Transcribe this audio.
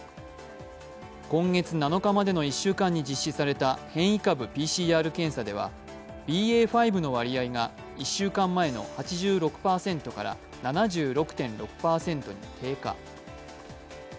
今月７日までの１週間に実施された変異株ＰＣＲ検査ではＢＡ．５の割合が１週間前の８６％から７６．６％に低下。